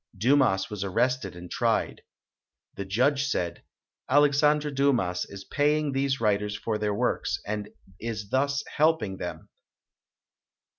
Dumas was arrested and tried. The judge said, "Alex andre Dumas is paying these writers for their works and is thus helping them.